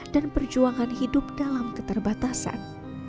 dan perjuangan hidup dalam keterbatasan